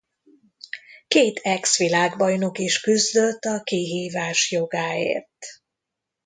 Két exvilágbajnok is küzdött a kihívás jogáért.